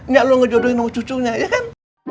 gak lo ngejodohin sama cucunya ya kan